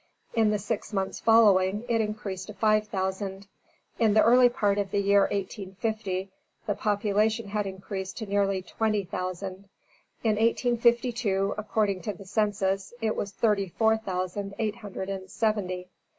In the six months following, it increased to five thousand. In the early part of the year 1850, the population had increased to nearly twenty thousand. In 1852, according to the census, it was thirty four thousand eight hundred and seventy.